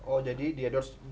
oh jadi di endorse